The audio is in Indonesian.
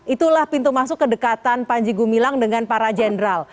itulah pintu masuk kedekatan panji gumilang dengan para jenderal